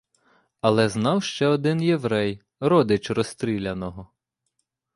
Але знав ще один єврей, родич розстріляного.